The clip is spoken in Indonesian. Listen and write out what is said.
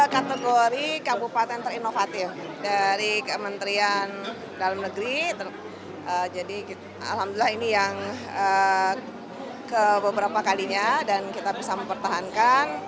kategori kabupaten terinovatif dari kementerian dalam negeri jadi alhamdulillah ini yang ke beberapa kalinya dan kita bisa mempertahankan